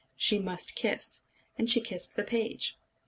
She must kiss and she kissed the page.